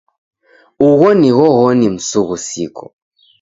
Ugho ni ghoghoni msughusiko.